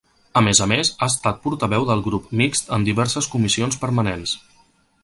A més a més ha estat portaveu del grup mixt en diverses comissions permanents.